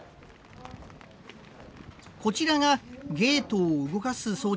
こちらがゲートを動かす装置です。